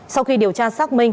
sau khi điều tra xác minh